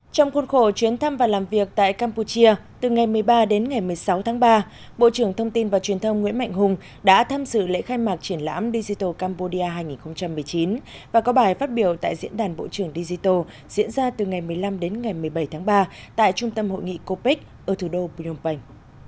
trong khuôn khổ chuyến thăm và làm việc tại campuchia từ ngày một mươi ba đến ngày một mươi sáu tháng ba bộ trưởng thông tin và truyền thông nguyễn mạnh hùng đã tham dự lễ khai mạc triển lãm digital cambodia hai nghìn một mươi chín và có bài phát biểu tại diễn đàn bộ trưởng digital diễn ra từ ngày một mươi năm đến ngày một mươi bảy tháng ba tại trung tâm hội nghị copic ở thủ đô phnom penh